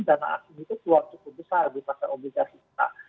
dana asing itu keluar cukup besar di pasar obligasi kita